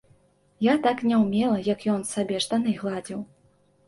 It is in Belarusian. Я так не ўмела, як ён сабе штаны гладзіў.